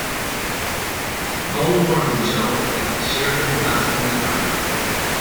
Bowe Morning Show at the Sheridan Gospel Network.